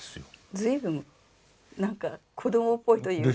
随分なんか子どもっぽいというか。でしょう？